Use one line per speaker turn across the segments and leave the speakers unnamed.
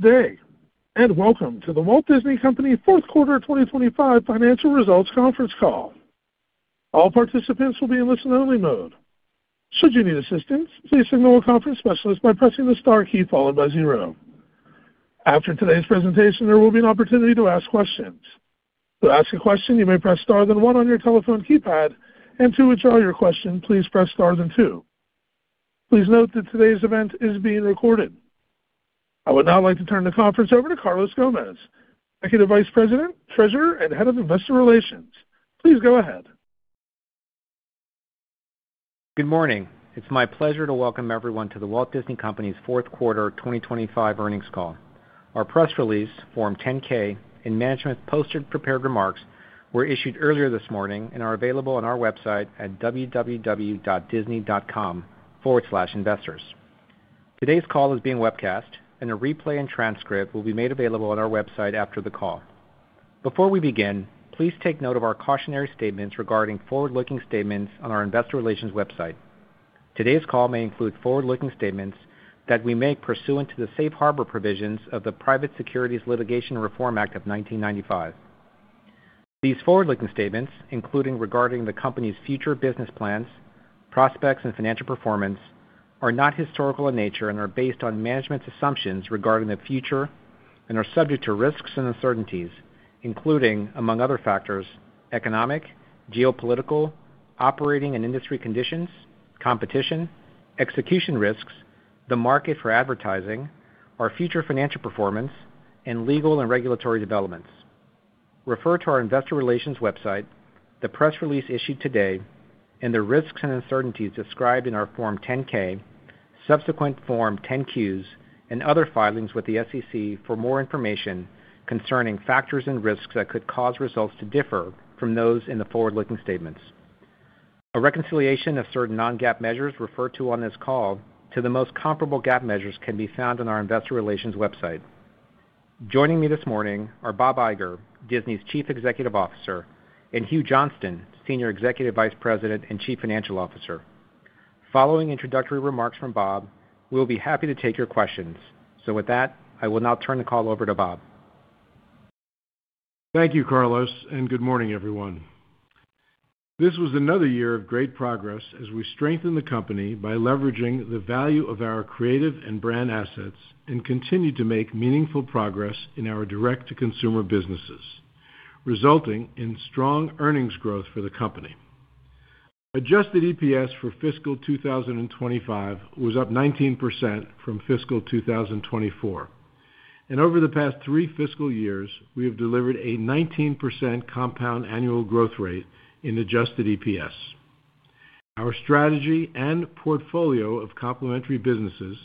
Good day, and welcome to the Walt Disney Company Fourth Quarter 2025 Financial Results Conference Call. All participants will be in listen-only mode. Should you need assistance, please signal a conference specialist by pressing the star key followed by zero. After today's presentation, there will be an opportunity to ask questions. To ask a question, you may press star then one on your telephone keypad, and to withdraw your question, please press star then two. Please note that today's event is being recorded. I would now like to turn the conference over to Carlos Gomez, Executive Vice President, Treasurer, and Head of Investor Relations. Please go ahead.
Good morning. It's my pleasure to welcome everyone to The Walt Disney Company's Fourth Quarter 2025 Earnings Call. Our press release, Form 10-K, and management's posted prepared remarks were issued earlier this morning and are available on our website at www.disney.com/investors. Today's call is being webcast, and a replay and transcript will be made available on our website after the call. Before we begin, please take note of our cautionary statements regarding forward-looking statements on our Investor Relations website. Today's call may include forward-looking statements that we make pursuant to the safe harbor provisions of the Private Securities Litigation Reform Act of 1995. These forward-looking statements, including regarding the company's future business plans, prospects, and financial performance, are not historical in nature and are based on management's assumptions regarding the future and are subject to risks and uncertainties, including, among other factors, economic, geopolitical, operating and industry conditions, competition, execution risks, the market for advertising, our future financial performance, and legal and regulatory developments. Refer to our Investor Relations website, the press release issued today, and the risks and uncertainties described in our Form 10-K, subsequent Form 10-Qs, and other filings with the SEC for more information concerning factors and risks that could cause results to differ from those in the forward-looking statements. A reconciliation of certain non-GAAP measures referred to on this call to the most comparable GAAP measures can be found on our Investor Relations website. Joining me this morning are Bob Iger, Disney's Chief Executive Officer, and Hugh Johnston, Senior Executive Vice President and Chief Financial Officer. Following introductory remarks from Bob, we will be happy to take your questions. With that, I will now turn the call over to Bob.
Thank you, Carlos, and good morning, everyone. This was another year of great progress as we strengthened the company by leveraging the value of our creative and brand assets and continued to make meaningful progress in our direct-to-consumer businesses, resulting in strong earnings growth for the company. Adjusted EPS for fiscal 2025 was up 19% from fiscal 2024. Over the past three fiscal years, we have delivered a 19% compound annual growth rate in adjusted EPS. Our strategy and portfolio of complementary businesses,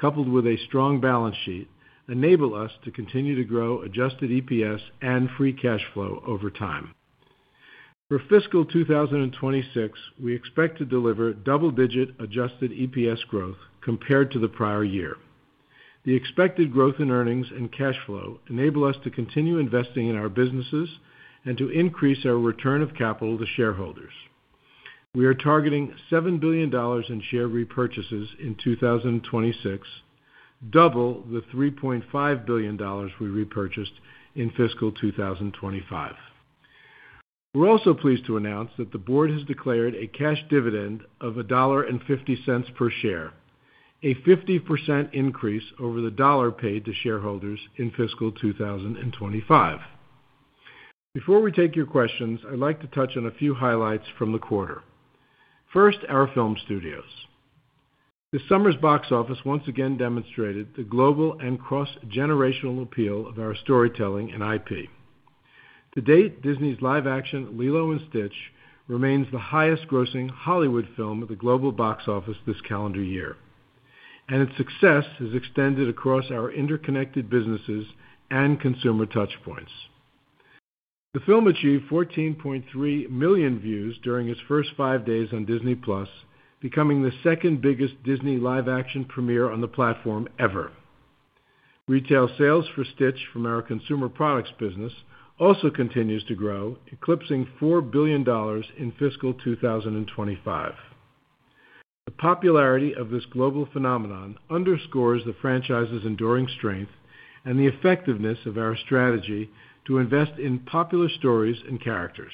coupled with a strong balance sheet, enable us to continue to grow adjusted EPS and free cash flow over time. For fiscal 2026, we expect to deliver double-digit adjusted EPS growth compared to the prior year. The expected growth in earnings and cash flow enable us to continue investing in our businesses and to increase our return of capital to shareholders. We are targeting $7 billion in share repurchases in 2026, double the $3.5 billion we repurchased in fiscal 2025. We're also pleased to announce that the board has declared a cash dividend of $1.50 per share, a 50% increase over the dollar paid to shareholders in fiscal 2025. Before we take your questions, I'd like to touch on a few highlights from the quarter. First, our film studios. This summer's box office once again demonstrated the global and cross-generational appeal of our storytelling and IP. To date, Disney's live-action Lilo & Stitch remains the highest-grossing Hollywood film at the global box office this calendar year, and its success has extended across our interconnected businesses and consumer touchpoints. The film achieved 14.3 million views during its first five days on Disney+, becoming the second biggest Disney live-action premiere on the platform ever. Retail sales for Stitch from our consumer products business also continues to grow, eclipsing $4 billion in fiscal 2025. The popularity of this global phenomenon underscores the franchise's enduring strength and the effectiveness of our strategy to invest in popular stories and characters.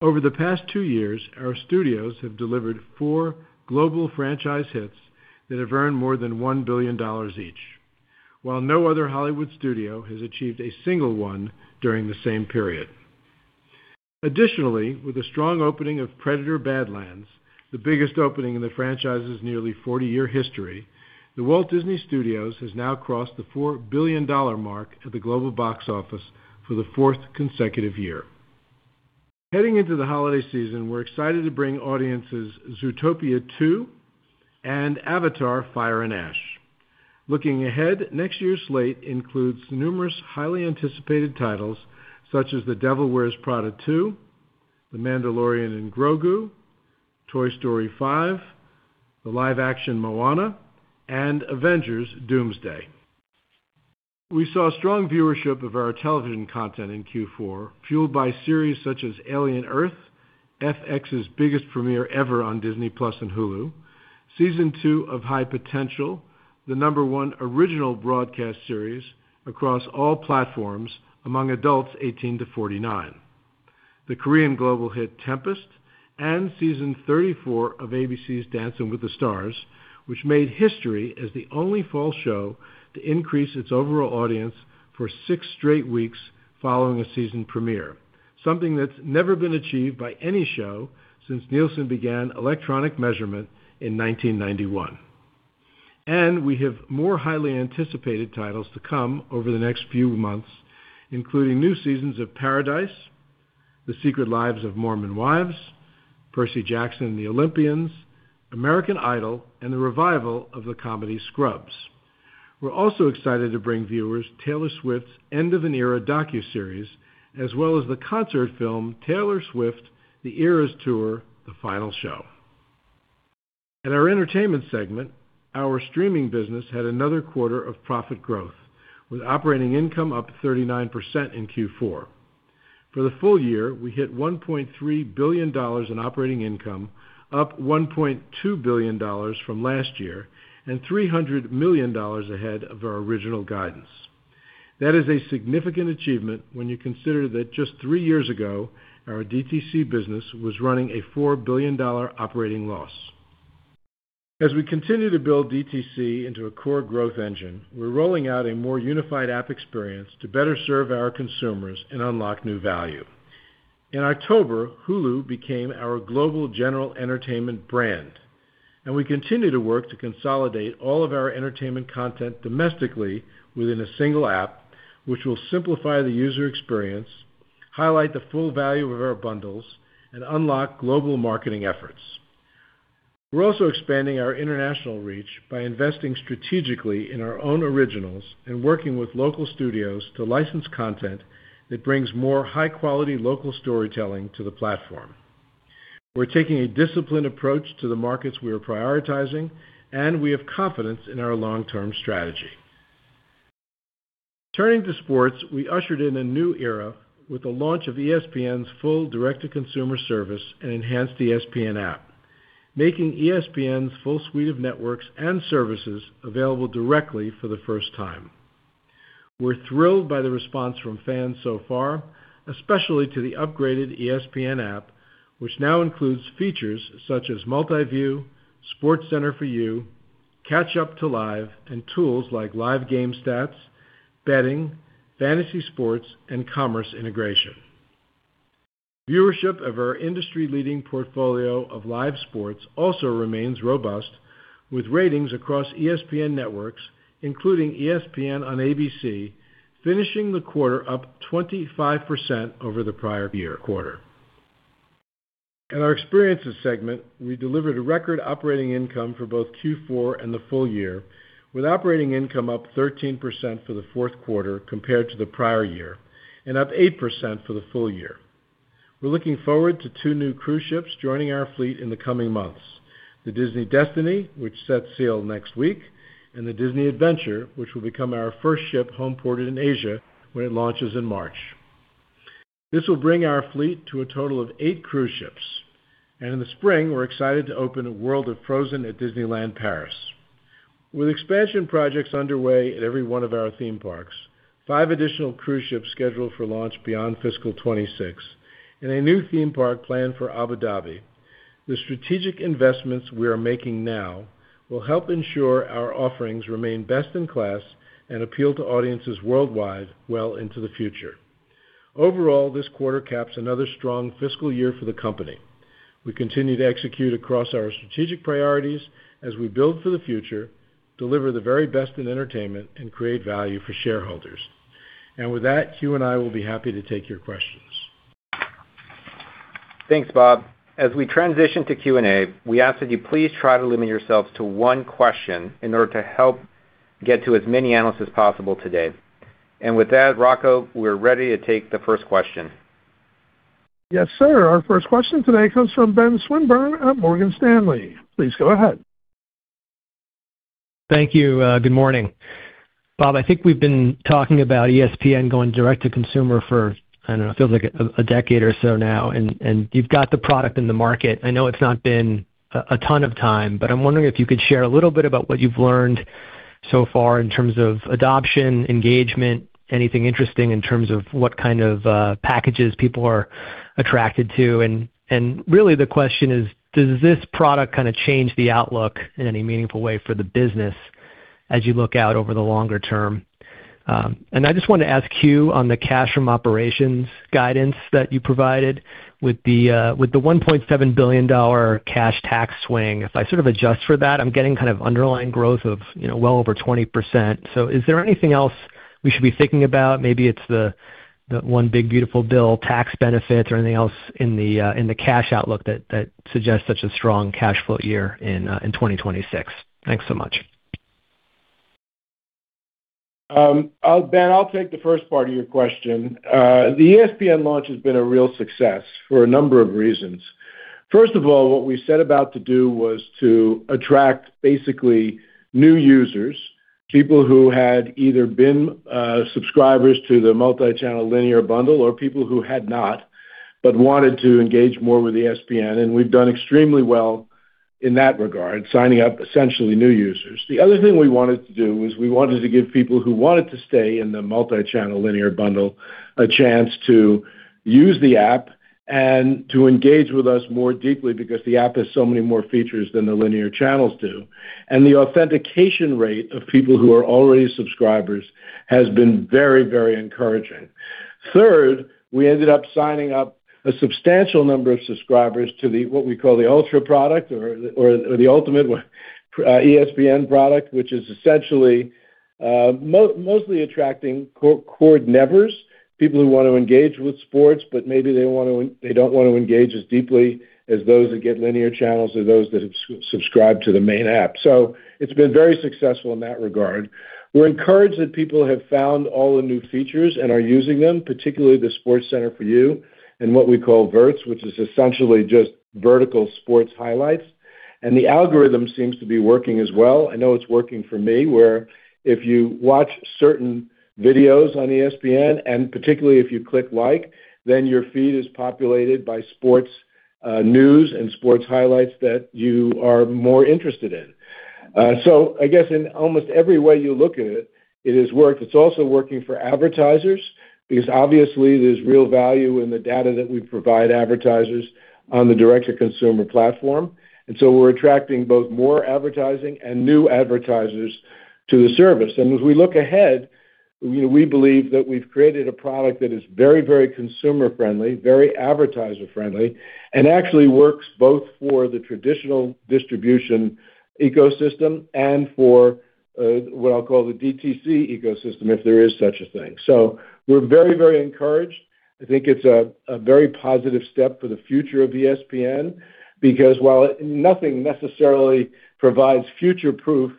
Over the past two years, our studios have delivered four global franchise hits that have earned more than $1 billion each, while no other Hollywood studio has achieved a single one during the same period. Additionally, with the strong opening of Predator: Badlands, the biggest opening in the franchise's nearly 40-year history, the Walt Disney Studios has now crossed the $4 billion mark at the global box office for the fourth consecutive year. Heading into the holiday season, we're excited to bring audiences Zootopia 2 and Avatar: Fire and Ash. Looking ahead, next year's slate includes numerous highly anticipated titles such as The Devil Wears Prada 2, The Mandalorian and Grogu, Toy Story 5, the live-action Moana, and Avengers: Doomsday. We saw strong viewership of our television content in Q4, fueled by series such as Alien Earth, FX's biggest premiere ever on Disney+ and Hulu, Season 2 of High Potential, the number one original broadcast series across all platforms among adults 18 to 49, the Korean global hit Tempest, and Season 34 of ABC's Dancing with the Stars, which made history as the only fall show to increase its overall audience for six straight weeks following a season premiere, something that's never been achieved by any show since Nielsen began electronic measurement in 1991. We have more highly anticipated titles to come over the next few months, including new seasons of Paradise, The Secret Lives of Mormon Wives, Percy Jackson and the Olympians, American Idol, and the revival of the comedy Scrubs. We are also excited to bring viewers Taylor Swift's End of an Era docuseries, as well as the concert film Taylor Swift: The Eras Tour: The Final Show. At our entertainment segment, our streaming business had another quarter of profit growth, with operating income up 39% in Q4. For the full year, we hit $1.3 billion in operating income, up $1.2 billion from last year, and $300 million ahead of our original guidance. That is a significant achievement when you consider that just three years ago, our DTC business was running a $4 billion operating loss. As we continue to build DTC into a core growth engine, we're rolling out a more unified app experience to better serve our consumers and unlock new value. In October, Hulu became our global general entertainment brand, and we continue to work to consolidate all of our entertainment content domestically within a single app, which will simplify the user experience, highlight the full value of our bundles, and unlock global marketing efforts. We're also expanding our international reach by investing strategically in our own originals and working with local studios to license content that brings more high-quality local storytelling to the platform. We're taking a disciplined approach to the markets we are prioritizing, and we have confidence in our long-term strategy. Turning to sports, we ushered in a new era with the launch of ESPN's full direct-to-consumer service and enhanced ESPN app, making ESPN's full suite of networks and services available directly for the first time. We're thrilled by the response from fans so far, especially to the upgraded ESPN app, which now includes features such as Multiview, SportsCenter for You, Catch Up to Live, and tools like live game stats, betting, fantasy sports, and commerce integration. Viewership of our industry-leading portfolio of live sports also remains robust, with ratings across ESPN networks, including ESPN on ABC, finishing the quarter up 25% over the prior year quarter. At our experiences segment, we delivered a record operating income for both Q4 and the full year, with operating income up 13% for the fourth quarter compared to the prior year and up 8% for the full year. We're looking forward to two new cruise ships joining our fleet in the coming months: the Disney Destiny, which sets sail next week, and the Disney Adventure, which will become our first ship homeported in Asia when it launches in March. This will bring our fleet to a total of eight cruise ships. In the spring, we're excited to open a World of Frozen at Disneyland Paris. With expansion projects underway at every one of our theme parks, five additional cruise ships scheduled for launch beyond fiscal 2026, and a new theme park planned for Abu Dhabi, the strategic investments we are making now will help ensure our offerings remain best in class and appeal to audiences worldwide well into the future. Overall, this quarter caps another strong fiscal year for the company. We continue to execute across our strategic priorities as we build for the future, deliver the very best in entertainment, and create value for shareholders. Hugh and I will be happy to take your questions.
Thanks, Bob. As we transition to Q&A, we ask that you please try to limit yourselves to one question in order to help get to as many analysts as possible today. With that, Rocco, we're ready to take the first question.
Yes, sir. Our first question today comes from Ben Swinburne at Morgan Stanley. Please go ahead.
Thank you. Good morning. Bob, I think we've been talking about ESPN going direct to consumer for, I don't know, it feels like a decade or so now, and you've got the product in the market. I know it's not been a ton of time, but I'm wondering if you could share a little bit about what you've learned so far in terms of adoption, engagement, anything interesting in terms of what kind of packages people are attracted to. Really, the question is, does this product kind of change the outlook in any meaningful way for the business as you look out over the longer term? I just wanted to ask Hugh on the cash from operations guidance that you provided with the $1.7 billion cash tax swing. If I sort of adjust for that, I'm getting kind of underlying growth of well over 20%. Is there anything else we should be thinking about? Maybe it's the one big beautiful bill, tax benefits, or anything else in the cash outlook that suggests such a strong cash flow year in 2026? Thanks so much.
Ben, I'll take the first part of your question. The ESPN launch has been a real success for a number of reasons. First of all, what we set about to do was to attract basically new users, people who had either been subscribers to the multi-channel linear bundle or people who had not but wanted to engage more with ESPN. We've done extremely well in that regard, signing up essentially new users. The other thing we wanted to do was we wanted to give people who wanted to stay in the multi-channel linear bundle a chance to use the app and to engage with us more deeply because the app has so many more features than the linear channels do. The authentication rate of people who are already subscribers has been very, very encouraging. Third, we ended up signing up a substantial number of subscribers to what we call the ultra product or the ultimate ESPN product, which is essentially mostly attracting core nevers, people who want to engage with sports, but maybe they do not want to engage as deeply as those that get linear channels or those that have subscribed to the main app. It has been very successful in that regard. We are encouraged that people have found all the new features and are using them, particularly the SportsCenter for You and what we call Verts, which is essentially just vertical sports highlights. The algorithm seems to be working as well. I know it is working for me, where if you watch certain videos on ESPN, and particularly if you click like, then your feed is populated by sports news and sports highlights that you are more interested in. I guess in almost every way you look at it, it has worked. It's also working for advertisers because obviously there's real value in the data that we provide advertisers on the direct-to-consumer platform. We're attracting both more advertising and new advertisers to the service. As we look ahead, we believe that we've created a product that is very, very consumer-friendly, very advertiser-friendly, and actually works both for the traditional distribution ecosystem and for what I'll call the DTC ecosystem, if there is such a thing. We're very, very encouraged. I think it's a very positive step for the future of ESPN because while nothing necessarily provides future-proof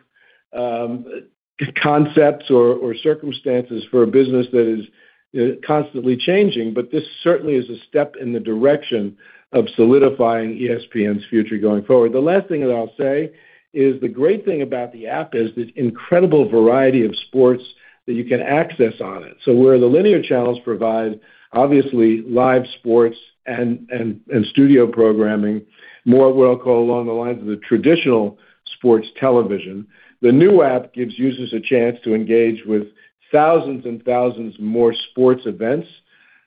concepts or circumstances for a business that is constantly changing, this certainly is a step in the direction of solidifying ESPN's future going forward. The last thing that I'll say is the great thing about the app is the incredible variety of sports that you can access on it. Where the linear channels provide obviously live sports and studio programming, more of what I'll call along the lines of the traditional sports television, the new app gives users a chance to engage with thousands and thousands more sports events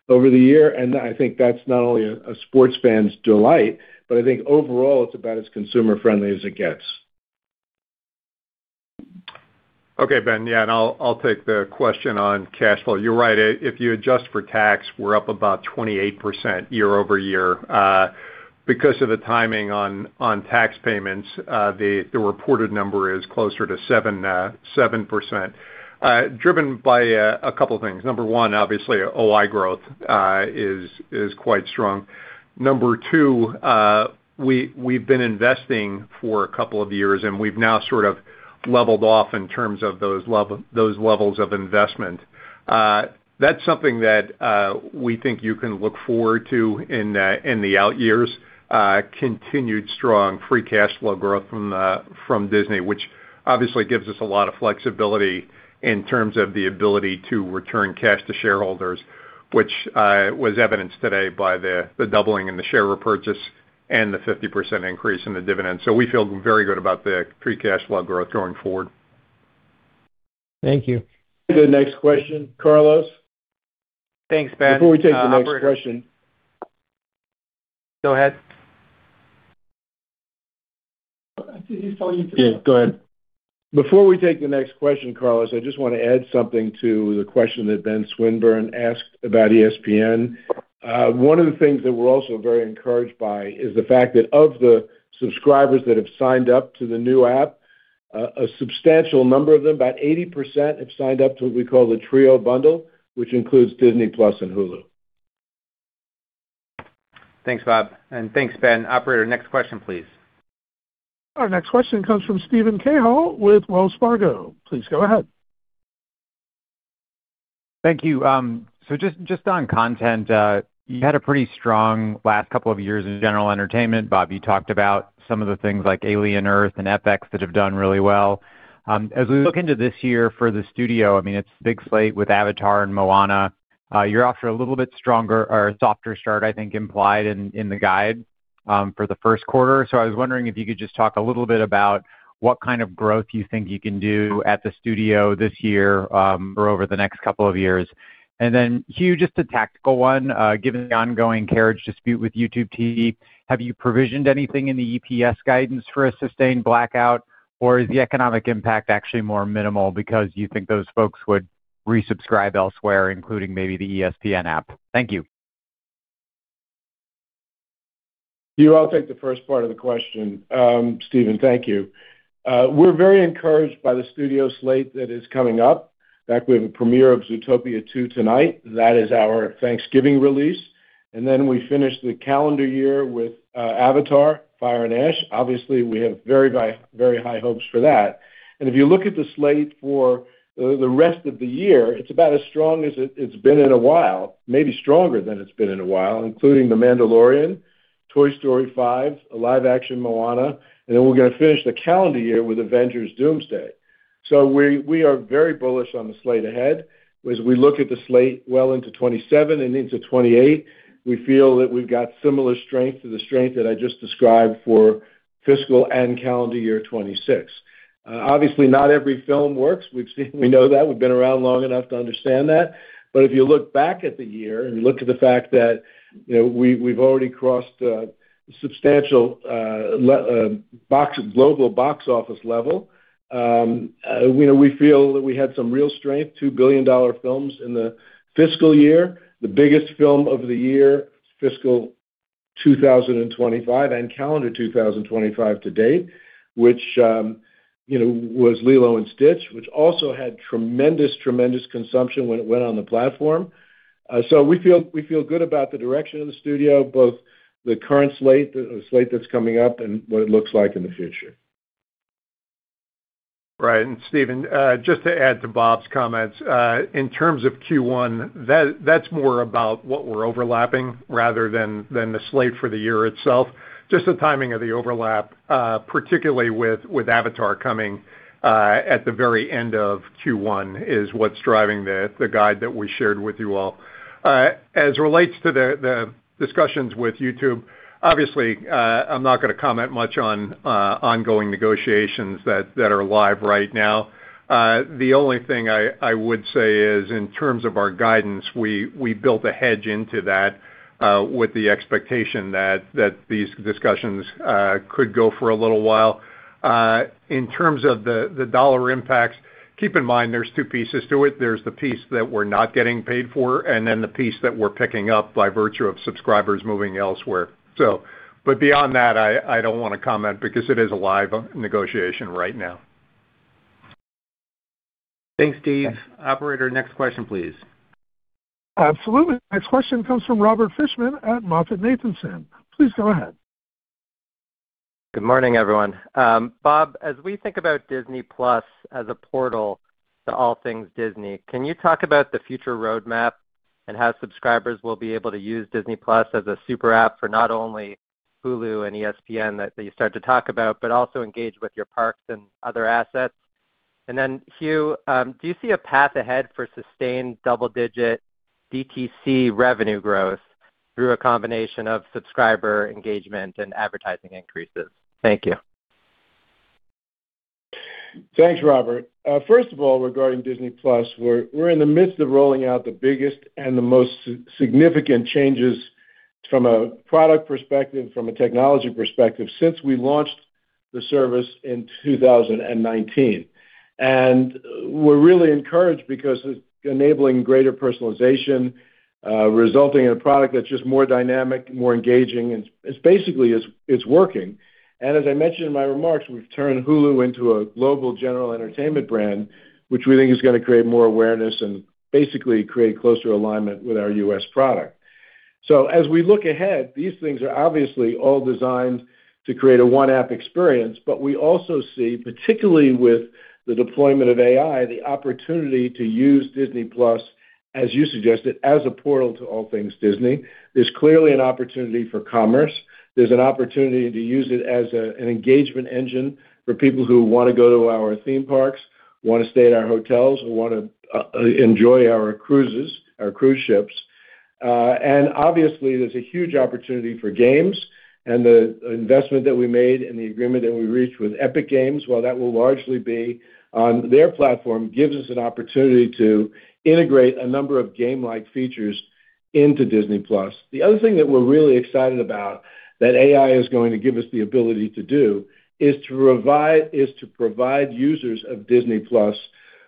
over the year. I think that's not only a sports fan's delight, but I think overall it's about as consumer-friendly as it gets.
Okay, Ben. Yeah, and I'll take the question on cash flow. You're right. If you adjust for tax, we're up about 28% year-over-year. Because of the timing on tax payments, the reported number is closer to 7%. Driven by a couple of things. Number one, obviously OI growth is quite strong. Number two, we've been investing for a couple of years, and we've now sort of leveled off in terms of those levels of investment. That's something that we think you can look forward to in the out years, continued strong free cash flow growth from Disney, which obviously gives us a lot of flexibility in terms of the ability to return cash to shareholders, which was evidenced today by the doubling in the share repurchase and the 50% increase in the dividend. We feel very good about the free cash flow growth going forward.
Thank you.
The next question, Carlos.
Thanks, Ben.
Before we take the next question.
Go ahead.
Yeah, go ahead. Before we take the next question, Carlos, I just want to add something to the question that Ben Swinburne asked about ESPN. One of the things that we're also very encouraged by is the fact that of the subscribers that have signed up to the new app, a substantial number of them, about 80%, have signed up to what we call the Trio bundle, which includes Disney Plus and Hulu.
Thanks, Bob. Thanks, Ben. Operator, next question, please.
Our next question comes from Stephen Cahill with Wells Fargo. Please go ahead.
Thank you. Just on content, you had a pretty strong last couple of years in general entertainment. Bob, you talked about some of the things like Alien Earth and FX that have done really well. As we look into this year for the studio, I mean, it's a big slate with Avatar and Moana. You're off to a little bit softer start, I think, implied in the guide for the first quarter. I was wondering if you could just talk a little bit about what kind of growth you think you can do at the studio this year or over the next couple of years. Then, Hugh, just a tactical one. Given the ongoing carriage dispute with YouTube TV, have you provisioned anything in the EPS guidance for a sustained blackout, or is the economic impact actually more minimal because you think those folks would resubscribe elsewhere, including maybe the ESPN app? Thank you.
Hugh, I'll take the first part of the question. Stephen, thank you. We're very encouraged by the studio slate that is coming up. In fact, we have a premiere of Zootopia 2 tonight. That is our Thanksgiving release. We finish the calendar year with Avatar: Fire and Ash. Obviously, we have very, very high hopes for that. If you look at the slate for the rest of the year, it's about as strong as it's been in a while, maybe stronger than it's been in a while, including The Mandalorian, Toy Story 5, a live-action Moana, and we are going to finish the calendar year with Avengers: Doomsday. We are very bullish on the slate ahead. As we look at the slate well into 2027 and into 2028, we feel that we've got similar strength to the strength that I just described for fiscal and calendar year 2026. Obviously, not every film works. We know that. We've been around long enough to understand that. If you look back at the year and you look at the fact that we've already crossed substantial global box office level, we feel that we had some real strength, $2 billion films in the fiscal year, the biggest film of the year, fiscal 2025 and calendar 2025 to date, which was Lilo & Stitch, which also had tremendous, tremendous consumption when it went on the platform. We feel good about the direction of the studio, both the current slate, the slate that's coming up, and what it looks like in the future. Right. Stephen, just to add to Bob's comments, in terms of Q1, that's more about what we're overlapping rather than the slate for the year itself. Just the timing of the overlap, particularly with Avatar coming at the very end of Q1, is what's driving the guide that we shared with you all. As it relates to the discussions with YouTube, obviously, I'm not going to comment much on ongoing negotiations that are live right now. The only thing I would say is in terms of our guidance, we built a hedge into that with the expectation that these discussions could go for a little while. In terms of the dollar impacts, keep in mind there's two pieces to it. There's the piece that we're not getting paid for, and then the piece that we're picking up by virtue of subscribers moving elsewhere. Beyond that, I don't want to comment because it is a live negotiation right now. Thanks, Steve. Operator, next question, please.
Absolutely. Next question comes from Robert Fishman at Moffett Nathanson. Please go ahead.
Good morning, everyone. Bob, as we think about Disney Plus as a portal to all things Disney, can you talk about the future roadmap and how subscribers will be able to use Disney Plus as a super app for not only Hulu and ESPN that you started to talk about, but also engage with your parks and other assets? Hugh, do you see a path ahead for sustained double-digit DTC revenue growth through a combination of subscriber engagement and advertising increases? Thank you.
Thanks, Robert. First of all, regarding Disney Plus, we're in the midst of rolling out the biggest and the most significant changes from a product perspective, from a technology perspective, since we launched the service in 2019. We're really encouraged because it's enabling greater personalization, resulting in a product that's just more dynamic, more engaging, and basically it's working. As I mentioned in my remarks, we've turned Hulu into a global general entertainment brand, which we think is going to create more awareness and basically create closer alignment with our U.S. product. As we look ahead, these things are obviously all designed to create a one-app experience, but we also see, particularly with the deployment of AI, the opportunity to use Disney Plus, as you suggested, as a portal to all things Disney. There's clearly an opportunity for commerce. There's an opportunity to use it as an engagement engine for people who want to go to our theme parks, want to stay at our hotels, or want to enjoy our cruises, our cruise ships. And obviously, there's a huge opportunity for games. And the investment that we made and the agreement that we reached with Epic Games, while that will largely be on their platform, gives us an opportunity to integrate a number of game-like features into Disney Plus. The other thing that we're really excited about that AI is going to give us the ability to do is to provide users of Disney Plus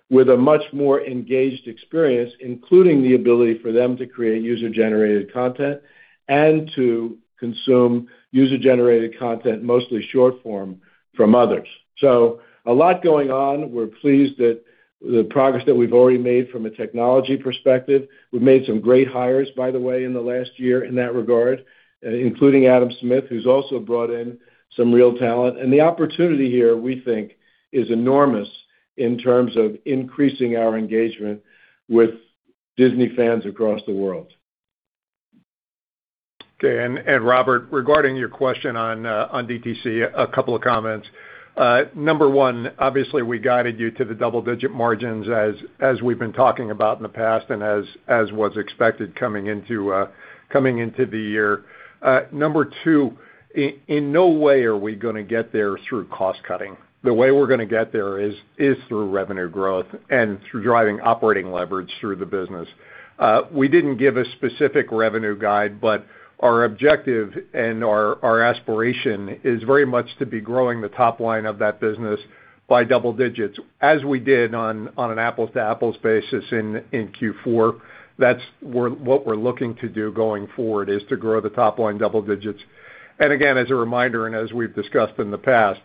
with a much more engaged experience, including the ability for them to create user-generated content and to consume user-generated content, mostly short form, from others. So a lot going on. We're pleased that the progress that we've already made from a technology perspective. We've made some great hires, by the way, in the last year in that regard, including Adam Smith, who's also brought in some real talent. The opportunity here, we think, is enormous in terms of increasing our engagement with Disney fans across the world.
Okay. Robert, regarding your question on DTC, a couple of comments. Number one, obviously, we guided you to the double-digit margins as we've been talking about in the past and as was expected coming into the year. Number two, in no way are we going to get there through cost cutting. The way we're going to get there is through revenue growth and through driving operating leverage through the business. We didn't give a specific revenue guide, but our objective and our aspiration is very much to be growing the top line of that business by double digits, as we did on an apples-to-apples basis in Q4. That's what we're looking to do going forward, is to grow the top line double digits. Again, as a reminder, and as we've discussed in the past,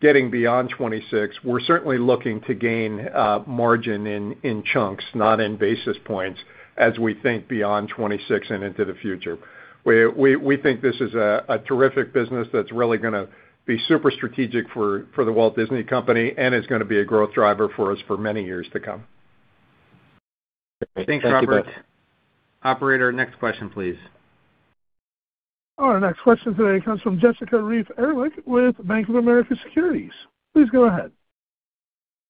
getting beyond 2026, we're certainly looking to gain margin in chunks, not in basis points, as we think beyond 2026 and into the future. We think this is a terrific business that's really going to be super strategic for The Walt Disney Company and is going to be a growth driver for us for many years to come. Thanks, Robert. Operator, next question, please.
Our next question today comes from Jessica Reeve Erlich with Bank of America Securities. Please go ahead.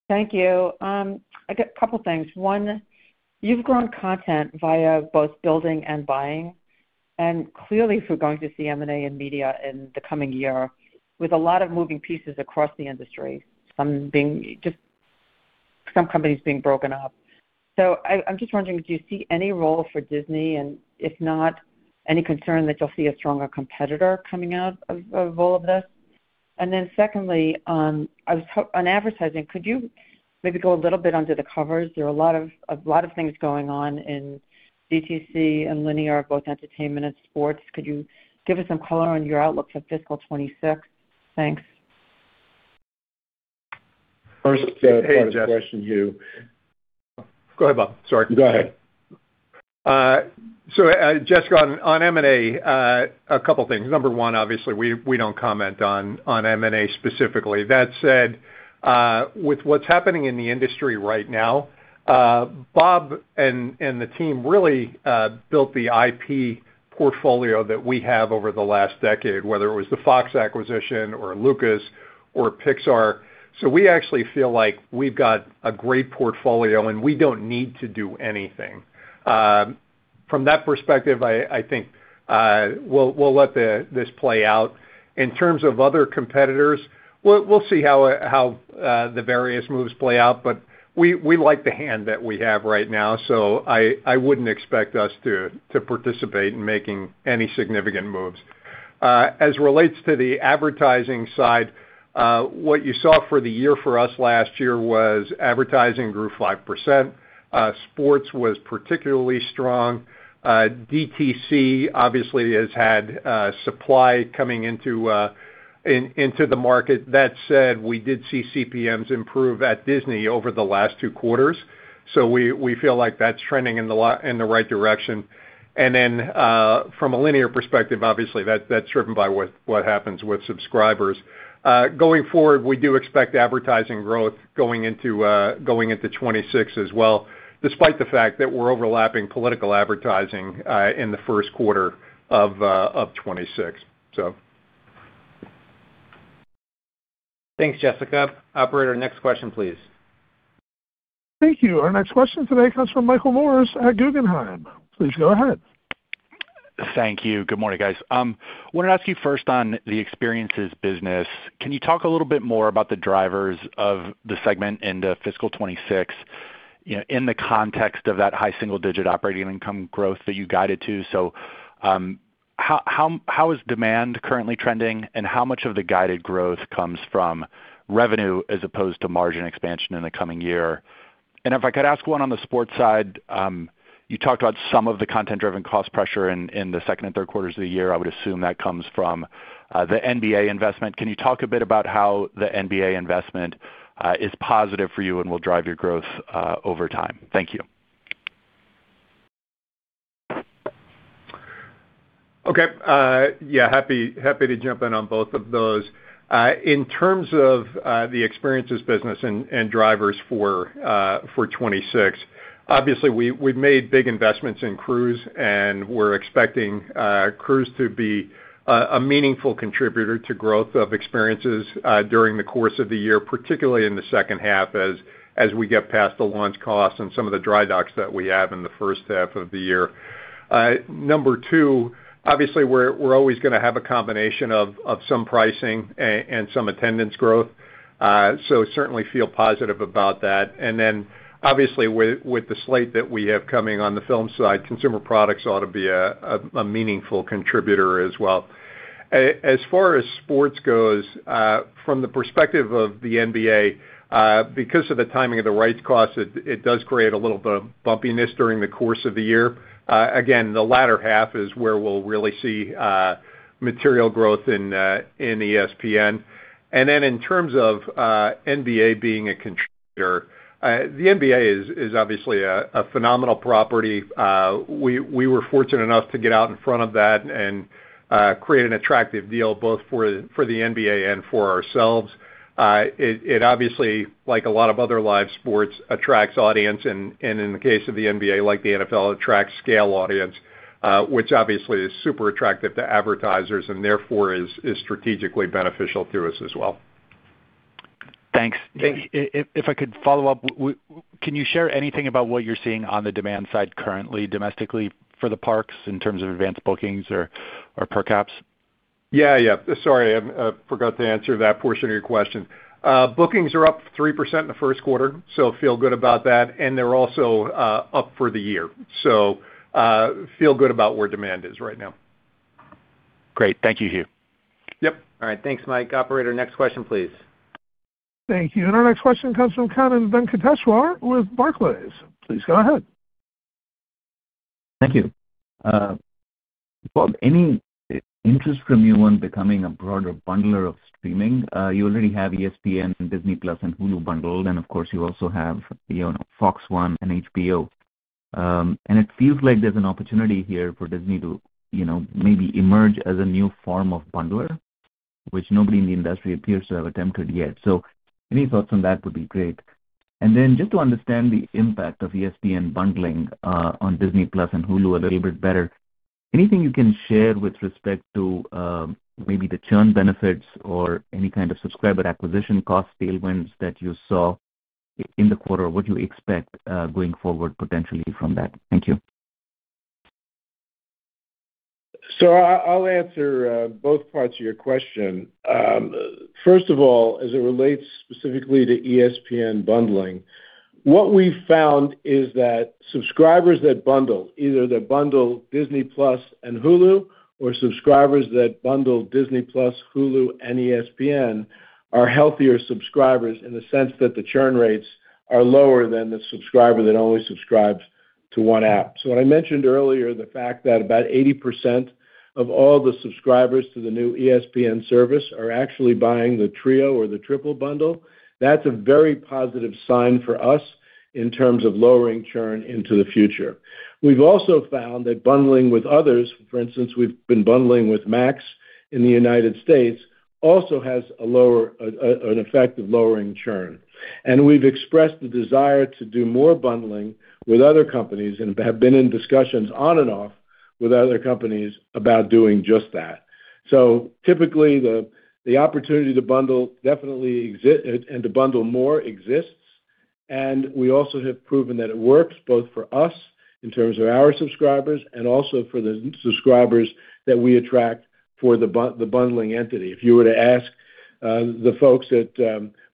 Thank you. A couple of things. One, you've grown content via both building and buying. Clearly, if we're going to see M&A in media in the coming year with a lot of moving pieces across the industry, some companies being broken up, I'm just wondering, do you see any role for Disney? If not, any concern that you'll see a stronger competitor coming out of all of this? Secondly, on advertising, could you maybe go a little bit under the covers? There are a lot of things going on in DTC and linear, both entertainment and sports. Could you give us some color on your outlook for fiscal 2026? Thanks.
First, I have a question, Hugh.
Go ahead, Bob. Sorry.
Go ahead. So Jessica, on M&A, a couple of things. Number one, obviously, we don't comment on M&A specifically. That said, with what's happening in the industry right now, Bob and the team really built the IP portfolio that we have over the last decade, whether it was the Fox acquisition or Lucas or Pixar. So we actually feel like we've got a great portfolio, and we don't need to do anything. From that perspective, I think we'll let this play out. In terms of other competitors, we'll see how the various moves play out, but we like the hand that we have right now, so I wouldn't expect us to participate in making any significant moves. As it relates to the advertising side, what you saw for the year for us last year was advertising grew 5%. Sports was particularly strong. DTC obviously has had supply coming into the market. That said, we did see CPMs improve at Disney over the last two quarters. So we feel like that's trending in the right direction. And then from a linear perspective, obviously, that's driven by what happens with subscribers. Going forward, we do expect advertising growth going into '26 as well, despite the fact that we're overlapping political advertising in the first quarter of '26, so. Thanks, Jessica. Operator, next question, please.
Thank you. Our next question today comes from Michael Morris at Guggenheim. Please go ahead.
Thank you. Good morning, guys. I wanted to ask you first on the experiences business. Can you talk a little bit more about the drivers of the segment in fiscal '26 in the context of that high single-digit operating income growth that you guided to? So how is demand currently trending, and how much of the guided growth comes from revenue as opposed to margin expansion in the coming year? And if I could ask one on the sports side, you talked about some of the content-driven cost pressure in the second and third quarters of the year. I would assume that comes from the NBA investment. Can you talk a bit about how the NBA investment is positive for you and will drive your growth over time? Thank you.
Okay. Yeah, happy to jump in on both of those. In terms of the experiences business and drivers for '26, obviously, we've made big investments in cruise, and we're expecting cruise to be a meaningful contributor to growth of experiences during the course of the year, particularly in the second half as we get past the launch costs and some of the dry docks that we have in the first half of the year. Number two, obviously, we're always going to have a combination of some pricing and some attendance growth. So certainly feel positive about that. And then obviously, with the slate that we have coming on the film side, consumer products ought to be a meaningful contributor as well. As far as sports goes, from the perspective of the NBA, because of the timing of the rights costs, it does create a little bit of bumpiness during the course of the year. Again, the latter half is where we'll really see material growth in ESPN. And then in terms of NBA being a contributor, the NBA is obviously a phenomenal property. We were fortunate enough to get out in front of that and create an attractive deal both for the NBA and for ourselves. It obviously, like a lot of other live sports, attracts audience. And in the case of the NBA, like the NFL, attracts scale audience, which obviously is super attractive to advertisers and therefore is strategically beneficial to us as well.
Thanks. If I could follow up, can you share anything about what you're seeing on the demand side currently domestically for the parks in terms of advanced bookings or per caps?
Yeah, yeah. Sorry, I forgot to answer that portion of your question. Bookings are up 3% in the first quarter, so feel good about that. And they're also up for the year. So feel good about where demand is right now.
Great. Thank you, Hugh.
Yep.
All right. Thanks, Mike. Operator, next question, please.
Thank you. And our next question comes from Kevin Venkateshwar with Barclays. Please go ahead.
Thank you. Bob, any interest from you on becoming a broader bundler of streaming? You already have ESPN, Disney Plus, and Hulu bundled, and of course, you also have Fox One and HBO. And it feels like there's an opportunity here for Disney to maybe emerge as a new form of bundler, which nobody in the industry appears to have attempted yet. So any thoughts on that would be great. And then just to understand the impact of ESPN bundling on Disney Plus and Hulu a little bit better, anything you can share with respect to maybe the churn benefits or any kind of subscriber acquisition cost tailwinds that you saw in the quarter, what you expect going forward potentially from that? Thank you.
I'll answer both parts of your question. First of all, as it relates specifically to ESPN bundling, what we found is that subscribers that bundle, either that bundle Disney Plus and Hulu or subscribers that bundle Disney Plus, Hulu, and ESPN are healthier subscribers in the sense that the churn rates are lower than the subscriber that only subscribes to one app. I mentioned earlier the fact that about 80% of all the subscribers to the new ESPN service are actually buying the trio or the triple bundle. That's a very positive sign for us in terms of lowering churn into the future. We've also found that bundling with others, for instance, we've been bundling with Max in the United States, also has an effect of lowering churn. We've expressed the desire to do more bundling with other companies and have been in discussions on and off with other companies about doing just that. Typically, the opportunity to bundle definitely exists and to bundle more exists. We also have proven that it works both for us in terms of our subscribers and also for the subscribers that we attract for the bundling entity. If you were to ask the folks at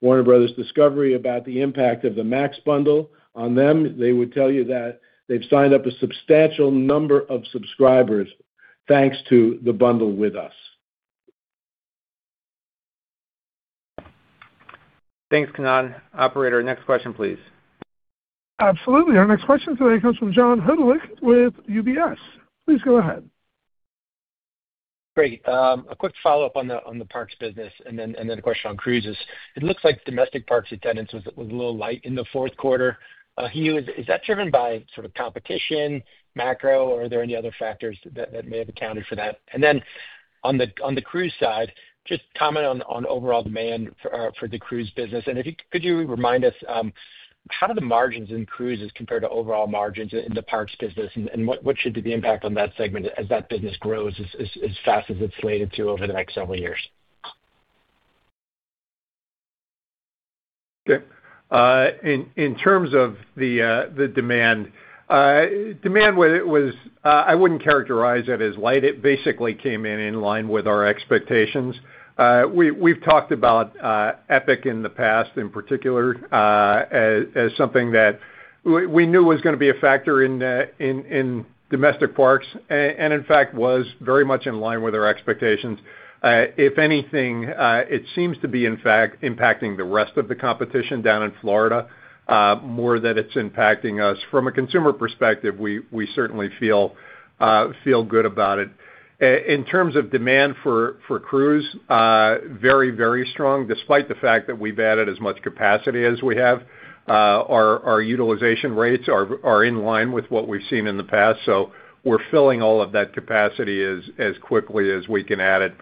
Warner Bros. Discovery about the impact of the Max bundle on them, they would tell you that they've signed up a substantial number of subscribers thanks to the bundle with us.
Thanks, Kanaan. Operator, next question, please.
Absolutely. Our next question today comes from John Hedderwick with UBS. Please go ahead.
Great. A quick follow-up on the parks business and then a question on cruises. It looks like domestic parks attendance was a little light in the fourth quarter. Is that driven by sort of competition, macro, or are there any other factors that may have accounted for that? And then on the cruise side, just comment on overall demand for the cruise business. And could you remind us how do the margins in cruises compare to overall margins in the parks business, and what should be the impact on that segment as that business grows as fast as it's slated to over the next several years?
Okay. In terms of the demand, demand was I wouldn't characterize it as light. It basically came in in line with our expectations. We've talked about Epic in the past in particular as something that we knew was going to be a factor in domestic parks and, in fact, was very much in line with our expectations. If anything, it seems to be, in fact, impacting the rest of the competition down in Florida more than it's impacting us. From a consumer perspective, we certainly feel good about it. In terms of demand for cruise, very, very strong, despite the fact that we've added as much capacity as we have. Our utilization rates are in line with what we've seen in the past. So we're filling all of that capacity as quickly as we can add it.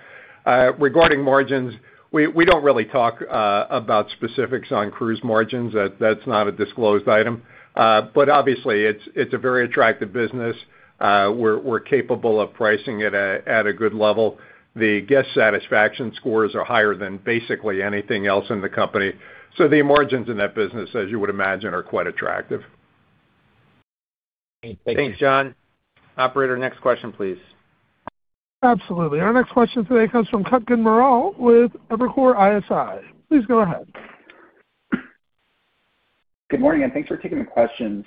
Regarding margins, we don't really talk about specifics on cruise margins. That's not a disclosed item. But obviously, it's a very attractive business. We're capable of pricing it at a good level. The guest satisfaction scores are higher than basically anything else in the company. So the margins in that business, as you would imagine, are quite attractive.
Thanks, John. Operator, next question, please.
Absolutely. Our next question today comes from Kutkan Meral with Evercore ISI. Please go ahead.
Good morning, and thanks for taking the questions.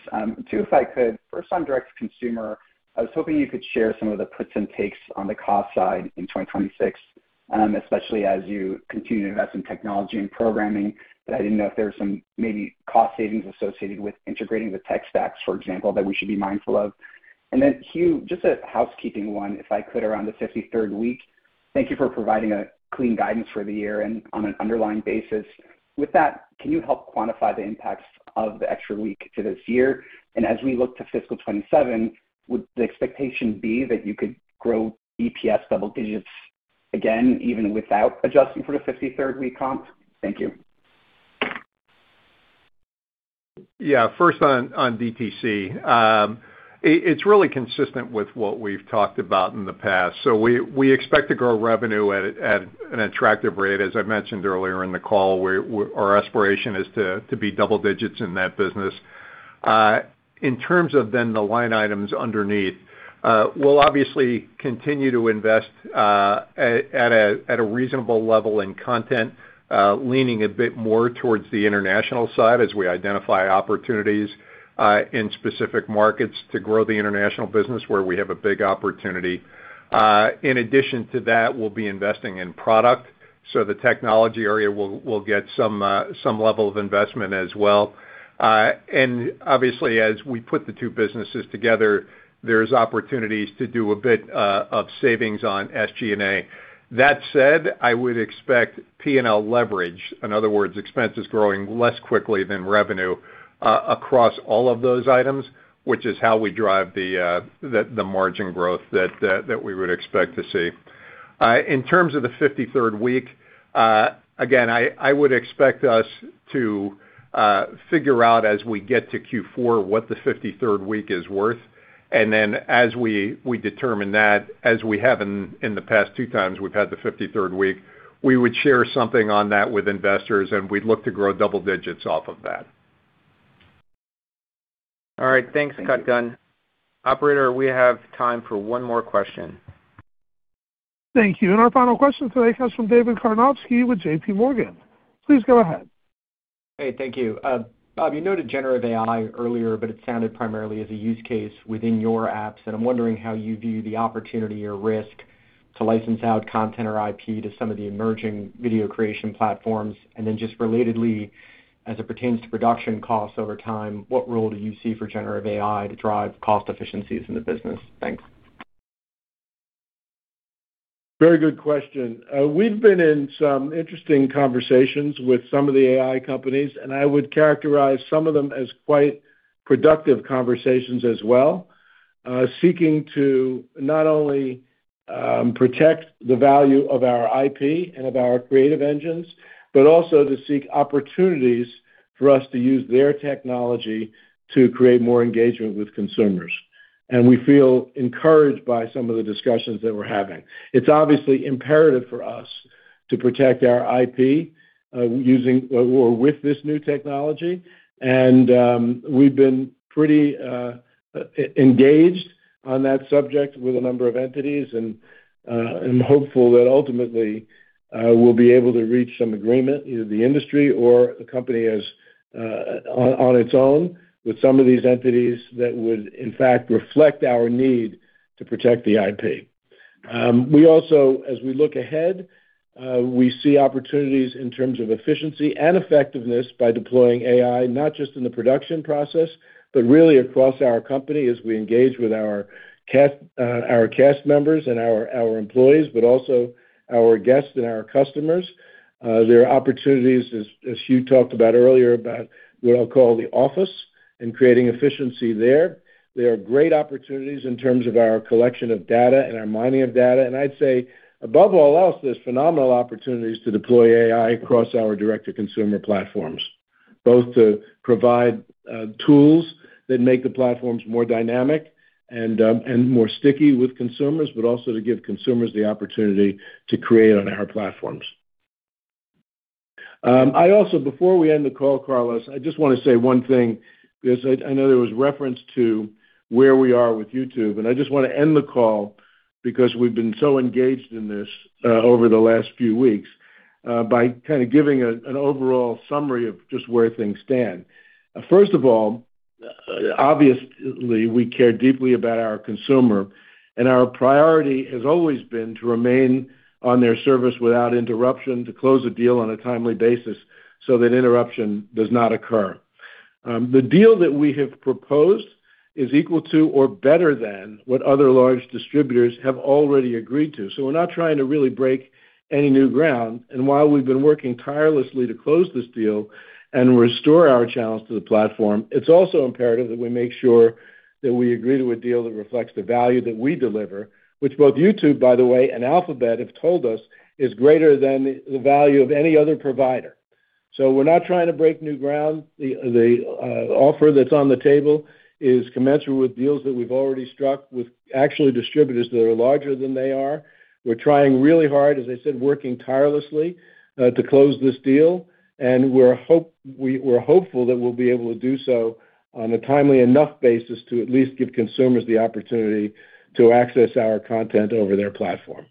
Two, if I could, first on direct-to-consumer, I was hoping you could share some of the puts and takes on the cost side in 2026, especially as you continue to invest in technology and programming. But I didn't know if there were some maybe cost savings associated with integrating the tech stacks, for example, that we should be mindful of. And then, Hugh, just a housekeeping one, if I could, around the 53rd week, thank you for providing clean guidance for the year and on an underlying basis. With that, can you help quantify the impacts of the extra week to this year? And as we look to fiscal '27, would the expectation be that you could grow EPS double digits again, even without adjusting for the 53rd week comp? Thank you.
Yeah. First on DTC, it's really consistent with what we've talked about in the past. So we expect to grow revenue at an attractive rate. As I mentioned earlier in the call, our aspiration is to be double digits in that business. In terms of then the line items underneath, we'll obviously continue to invest at a reasonable level in content, leaning a bit more towards the international side as we identify opportunities in specific markets to grow the international business where we have a big opportunity. In addition to that, we'll be investing in product. So the technology area will get some level of investment as well. And obviously, as we put the two businesses together, there's opportunities to do a bit of savings on SG&A. That said, I would expect P&L leverage, in other words, expenses growing less quickly than revenue across all of those items, which is how we drive the margin growth that we would expect to see. In terms of the 53rd week, again, I would expect us to figure out, as we get to Q4, what the 53rd week is worth. And then as we determine that, as we have in the past two times we've had the 53rd week, we would share something on that with investors, and we'd look to grow double digits off of that. All right. Thanks, Kutkan. Operator, we have time for one more question.
Thank you. And our final question today comes from David Karnovsky with JPMorgan. Please go ahead.
Hey, thank you. Bob, you noted generative AI earlier, but it sounded primarily as a use case within your apps. I am wondering how you view the opportunity or risk to license out content or IP to some of the emerging video creation platforms. Just relatedly, as it pertains to production costs over time, what role do you see for generative AI to drive cost efficiencies in the business? Thanks.
Very good question. We've been in some interesting conversations with some of the AI companies, and I would characterize some of them as quite productive conversations as well, seeking to not only protect the value of our IP and of our creative engines, but also to seek opportunities for us to use their technology to create more engagement with consumers. We feel encouraged by some of the discussions that we're having. It's obviously imperative for us to protect our IP using or with this new technology. We've been pretty engaged on that subject with a number of entities, and I'm hopeful that ultimately we'll be able to reach some agreement, either the industry or the company on its own, with some of these entities that would, in fact, reflect our need to protect the IP. We also, as we look ahead, see opportunities in terms of efficiency and effectiveness by deploying AI, not just in the production process, but really across our company as we engage with our cast members and our employees, but also our guests and our customers. There are opportunities, as Hugh talked about earlier, about what I'll call the office and creating efficiency there. There are great opportunities in terms of our collection of data and our mining of data. I'd say, above all else, there's phenomenal opportunities to deploy AI across our direct-to-consumer platforms, both to provide tools that make the platforms more dynamic and more sticky with consumers, but also to give consumers the opportunity to create on our platforms. Also, before we end the call, Carlos, I just want to say one thing because I know there was reference to where we are with YouTube. I just want to end the call because we've been so engaged in this over the last few weeks by kind of giving an overall summary of just where things stand. First of all, obviously, we care deeply about our consumer, and our priority has always been to remain on their service without interruption, to close a deal on a timely basis so that interruption does not occur. The deal that we have proposed is equal to or better than what other large distributors have already agreed to. We're not trying to really break any new ground. While we've been working tirelessly to close this deal and restore our channels to the platform, it's also imperative that we make sure that we agree to a deal that reflects the value that we deliver, which both YouTube, by the way, and Alphabet have told us is greater than the value of any other provider. We're not trying to break new ground. The offer that's on the table is commensurate with deals that we've already struck with actual distributors that are larger than they are. We're trying really hard, as I said, working tirelessly to close this deal. We're hopeful that we'll be able to do so on a timely enough basis to at least give consumers the opportunity to access our content over their platform.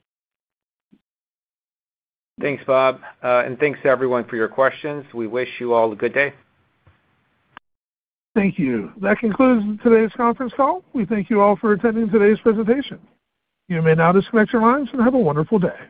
Thanks, Bob. Thanks to everyone for your questions. We wish you all a good day.
Thank you. That concludes today's conference call. We thank you all for attending today's presentation. You may now disconnect your lines and have a wonderful day.